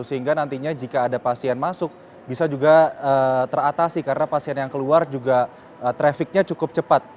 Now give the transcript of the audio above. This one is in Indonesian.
sehingga nantinya jika ada pasien masuk bisa juga teratasi karena pasien yang keluar juga trafficnya cukup cepat